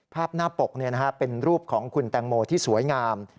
ภาพหน้าปกเป็นรูปของคุณแตงโมที่สวยงาม